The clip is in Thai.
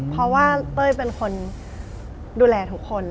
เพราะว่าเต้ยเป็นคนดูแลทุกคน